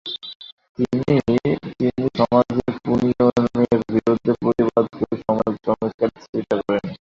তিনি তিনি সমাজের কুনিয়মের বিরূদ্ধে প্রতিবাদ করে সমাজসংস্কারের চেষ্টা করেন।